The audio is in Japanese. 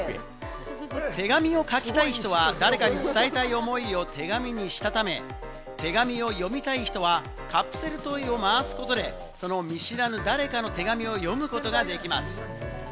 手紙を書きたい人は誰かに伝えたい思いを手紙にしたため、手紙を読みたい人はカプセルトイを回すことで、その見知らぬ誰かの手紙を読むことができます。